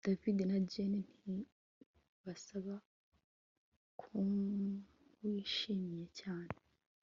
David na Jane ntibasa nkuwishimye cyane